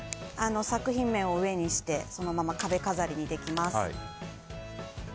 作品面を上にしてそのまま壁飾りにできます。